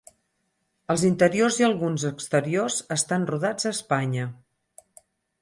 Els interiors i alguns exteriors estan rodats a Espanya.